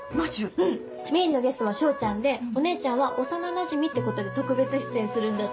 うんメインのゲストは彰ちゃんでお姉ちゃんは幼なじみってことで特別出演するんだって。